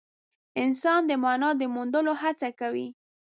انسان د مانا د موندلو هڅه کوي.